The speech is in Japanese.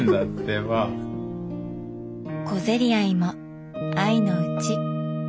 小競り合いも愛のうち。